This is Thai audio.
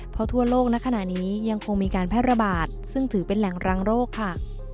เพราะทั่วโลกในขณะนี้ยังคงมีการแพร่ระบาดซึ่งถือเป็นแหล่งรังโรคค่ะ